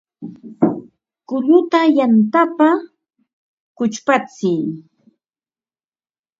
Kulluta yantapa kuchpatsiy